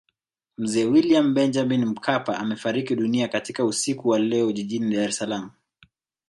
Mzee William Benjamin Mkapa amefariki dunia katika usiku wa leo Jijini Dar es Salaam